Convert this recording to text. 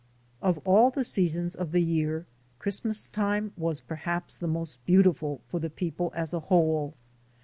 Of all the seasons of the year, Christmas time was perhaps the most beautiful for the people as a whole.